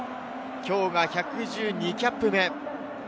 きょうが１１２キャップ目。